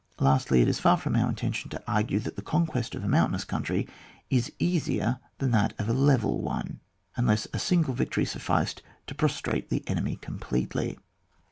Lastly, it is far from our intention to argue that the conquest of a mountainous country is easier than that of a level * one, unless a single victory sufficed to prostrate the enemy completely.